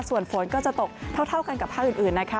ส่วนฝนก็จะตกเท่ากันกับภาคอื่นนะคะ